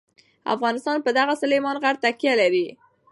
افغانستان په دغه سلیمان غر تکیه لري.